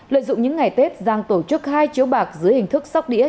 lợi dụng những ngày tết giang tổ chức hai chiếu bạc dưới hình thức sóc đĩa